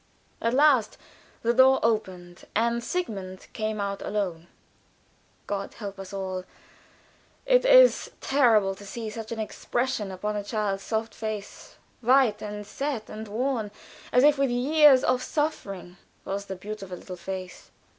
At last the door opened, and Sigmund came out alone. God help us all! It is terrible to see such an expression upon a child's soft face. White and set and worn as if with years of suffering was the beautiful little face.